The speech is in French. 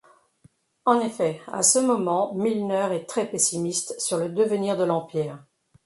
En effet à ce moment Milner est très pessimiste sur le devenir de l'empire.